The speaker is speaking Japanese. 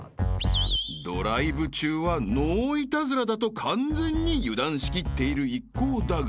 ［ドライブ中はノーイタズラだと完全に油断しきっている一行だが］